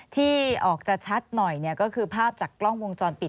ที่ออกจะชัดหน่อยก็คือภาพจากกล้องวงจรปิด